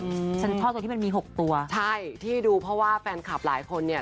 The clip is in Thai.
อืมฉันชอบตรงที่มันมีหกตัวใช่ที่ดูเพราะว่าแฟนคลับหลายคนเนี้ย